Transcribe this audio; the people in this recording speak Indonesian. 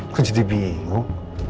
aku jadi bingung